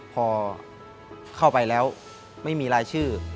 พอเข้าไปแล้วไม่มีรายชื่อ